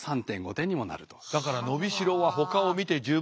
だから伸びしろはほかを見て十分。